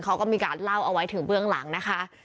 เขาก็มีการเล่าเอาไว้ถึงเบื้องหลังนะคะ